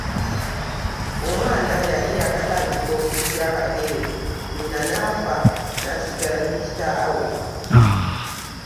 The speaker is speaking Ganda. Omwana yali yaakatandika okuggya akagere nnyina n’afa, n’asigala ne kitaawe.